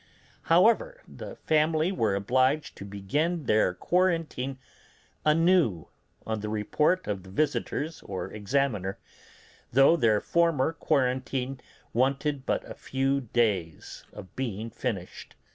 However, the family were obliged to begin their quarantine anew on the report of the visitors or examiner, though their former quarantine wanted but a few days of being finished.